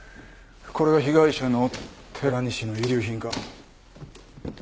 これが被害者の寺西の遺留品か。